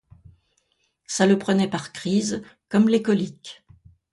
Ça le prenait par crises, comme les coliques.